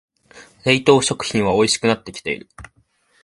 冷凍食品はおいしくなってきてる